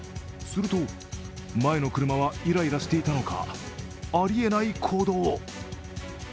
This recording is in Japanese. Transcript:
すると前の車はいらいらしていたのか、ありえない行動を。